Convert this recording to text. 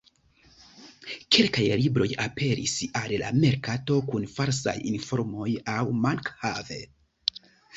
Kelkaj libroj aperis al la merkato kun falsaj informoj aŭ mank-have.